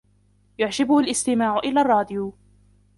يعجبه الاستماع إلى الراديو.